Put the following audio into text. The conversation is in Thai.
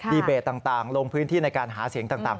เบตต่างลงพื้นที่ในการหาเสียงต่าง